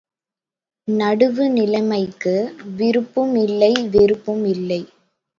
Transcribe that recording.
நடுவு நிலைமைக்கு விருப்பும் இல்லை வெறுப்பும் இல்லை.